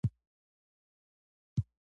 خواړه به په کلالي لوښو او پتنوسونو کې وو.